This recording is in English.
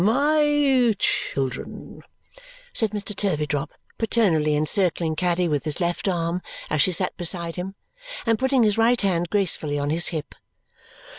"My children," said Mr. Turveydrop, paternally encircling Caddy with his left arm as she sat beside him, and putting his right hand gracefully on his hip.